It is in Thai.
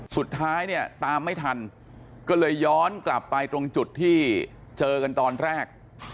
สุดท้ายเนี่ยตามไม่ทันก็เลยย้อนกลับไปตรงจุดที่เจอกันตอนแรก